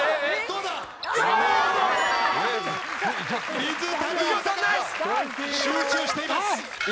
水谷豊集中しています。